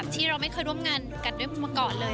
ที่เราไม่เคยร่วมงานกันด้วยมาก่อนเลย